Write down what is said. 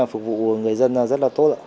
phục vụ người dân rất là tốt